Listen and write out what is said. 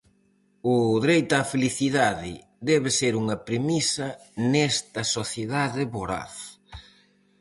O dereito á felicidade debe ser unha premisa nesta sociedade voraz.